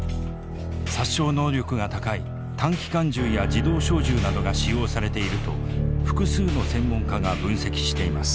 殺傷能力が高い短機関銃や自動小銃などが使用されていると複数の専門家が分析しています。